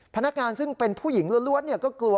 พนักงานซึ่งเป็นผู้หญิงล้วนก็กลัว